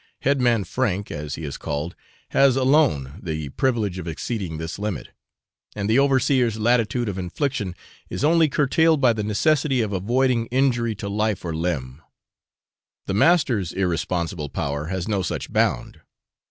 Head man Frank, as he is called, has alone the privilege of exceeding this limit; and the overseer's latitude of infliction is only curtailed by the necessity of avoiding injury to life or limb. The master's irresponsible power has no such bound.